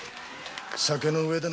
酒の上だ。